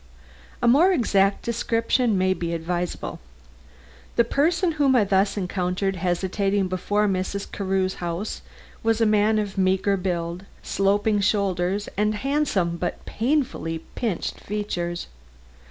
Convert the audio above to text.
A more exact description may be advisable. The person whom I thus encountered hesitating before Mrs. Carew's house was a man of meager build, sloping shoulders and handsome but painfully pinched features.